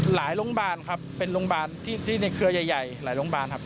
โรงพยาบาลครับเป็นโรงพยาบาลที่ในเครือใหญ่หลายโรงพยาบาลครับ